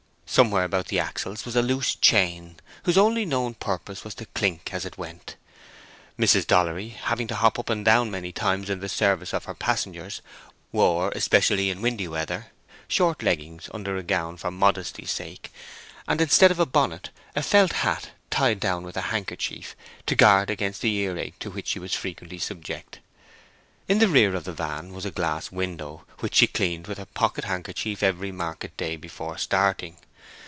Somewhere about the axles was a loose chain, whose only known purpose was to clink as it went. Mrs. Dollery, having to hop up and down many times in the service of her passengers, wore, especially in windy weather, short leggings under her gown for modesty's sake, and instead of a bonnet a felt hat tied down with a handkerchief, to guard against an earache to which she was frequently subject. In the rear of the van was a glass window, which she cleaned with her pocket handkerchief every market day before starting.